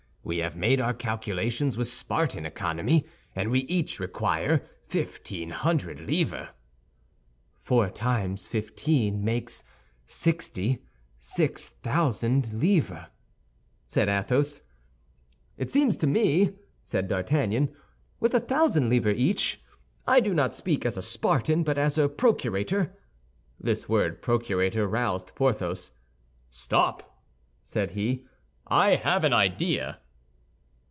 We have made our calculations with Spartan economy, and we each require fifteen hundred livres." "Four times fifteen makes sixty—six thousand livres," said Athos. "It seems to me," said D'Artagnan, "with a thousand livres each—I do not speak as a Spartan, but as a procurator—" This word procurator roused Porthos. "Stop," said he, "I have an idea."